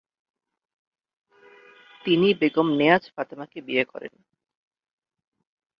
তিনি বেগম নেয়াজ ফাতেমাকে বিয়ে করেন।